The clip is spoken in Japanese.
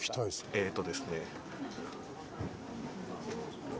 ええとですね